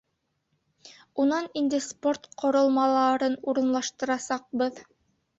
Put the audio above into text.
Унан инде спорт ҡоролмаларын урынлаштырасаҡбыҙ.